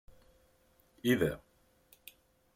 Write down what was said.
Idda.